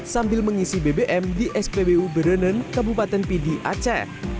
sambil mengisi bbm di spbu berenen kabupaten pidi aceh